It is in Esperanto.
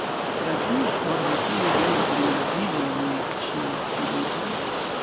Tra kiu pordo tiu ideo pri edzigo eniris ŝian spiriton?